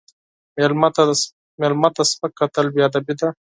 مېلمه ته سپک کتل بې ادبي ده.